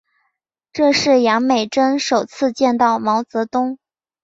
这是杨美真首次见到毛泽东。